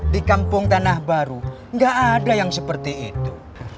di kampung tanah baru nggak ada yang seperti itu